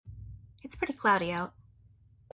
It's pretty cloudy out.